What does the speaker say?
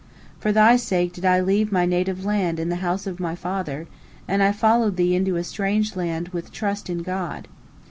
For thy sake did I leave my native land and the house of my father, and I followed thee into a strange land with trust in God.